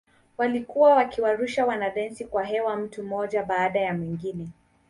Walikuwa wakiwarusha wanadensi kwa hewa mtu mmoja baada ya mwingine.